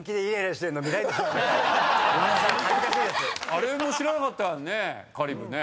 あれも知らなかったね